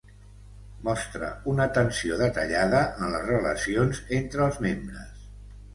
Mostra una tensió detallada en les relacions entre els membres.